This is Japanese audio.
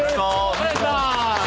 お願いします。